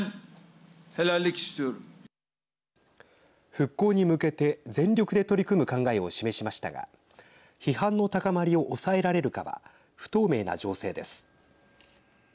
復興に向けて全力で取り組む考えを示しましたが批判の高まりを抑えられるかは不透明な情勢です。